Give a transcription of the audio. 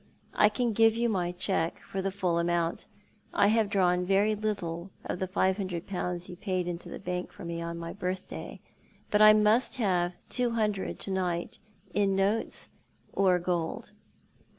I can give you my cheqiie for the full amount. I have drawn very little of the five hundred pounds you paid into the bank for me on my birthday — but I must have two hundred to night, in notes or gold."